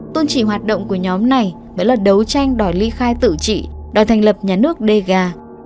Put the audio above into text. tôn trị hoạt động của nhóm này vẫn là đấu tranh đòi ly khai tự trị đòi thành lập nhà nước dega